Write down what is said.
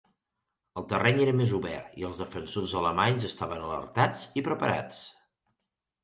El terreny era més obert, i els defensors alemanys estaven alertats i preparats.